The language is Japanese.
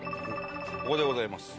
ここでございます。